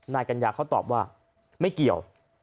นายกัญญาเขาตอบว่าไม่เกี่ยว